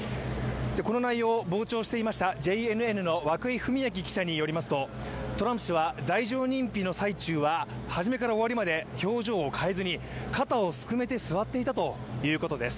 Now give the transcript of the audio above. この内容を傍聴していましたＪＮＮの記者によりますとトランプ氏は罪状認否の最中は初めから終わりまで表情を変えずに、肩をすくめて座っていたということです。